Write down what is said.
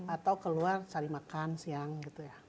atau keluar cari makan siang gitu ya